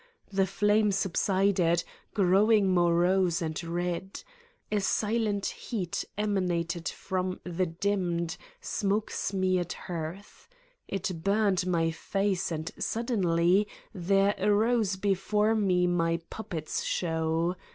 The. flame subsided, growing morose and red. A silent heat emanated from the dimmed, smoke smeared hearth. It burned my face and suddenly there arose before me my pup pets' show.